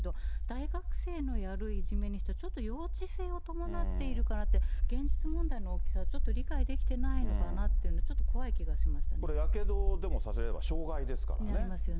大学生のやるいじめにしては、ちょっと幼稚性を伴っているかなって、現実問題の大きさを理解できてないのかなというの、これ、やけどでもさせれば傷害ですからね。